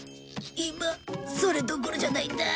今それどころじゃないんだ。